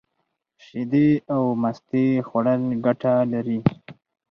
شیدې او مستې خوړل گټه لري.